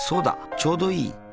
ちょうどいい。